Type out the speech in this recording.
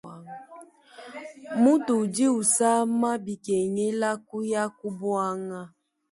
Mutu udi usama bikengela kuya ku buanga.